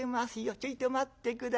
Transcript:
ちょいと待って下さい。